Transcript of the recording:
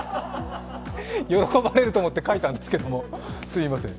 喜ばれると思って書いたんですけども、すいません。